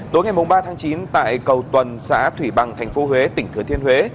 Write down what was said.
tối ngày ba tháng chín tại cầu tuần xã thủy bằng tp huế tỉnh thừa thiên huế